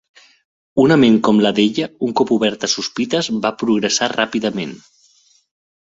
Una ment com la d'ella, un cop oberta a les sospites, va progressar ràpidament.